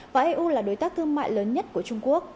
và eu là đối tác thương mại lớn nhất của trung quốc